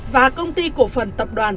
và công ty cổ phần tập đoàn